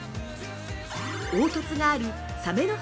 凹凸がある「サメの肌」